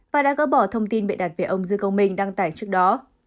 và đã gỡ bỏ thông tin bị đạt về ông dân công minh đăng tải trước đó